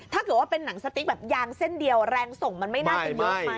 ถ้าเกิดว่าเป็นหนังสติ๊กแบบยางเส้นเดียวแรงส่งมันไม่น่าจะเยอะไหม